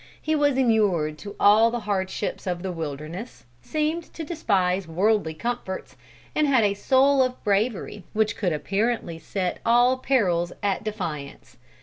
He was inured to all the hardships of the wilderness, seemed to despise worldly comforts, and had a soul of bravery which could apparently set all perils at defiance.